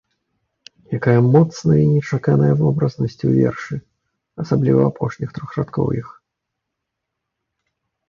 Якая моцная і нечаканая вобразнасць у вершы, асабліва ў апошніх трохрадкоўях!